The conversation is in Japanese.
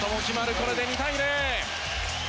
これで２対０。